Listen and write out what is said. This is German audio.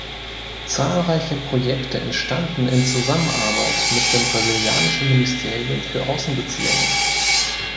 Zahlreiche Projekte entstanden in Zusammenarbeit mit dem brasilianischen Ministerium für Außenbeziehungen.